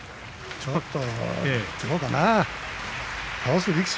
ちょっとどうかな。